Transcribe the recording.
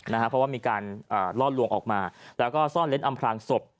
เพราะว่ามีการล่อลวงออกมาแล้วก็ซ่อนเล้นอำพลางศพ